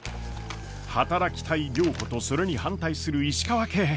働きたい良子とそれに反対する石川家。